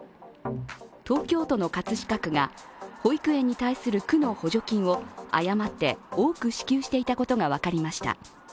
東京都の葛飾区が保育園に対する区の補助金を誤って多く支給していたことが分かりました。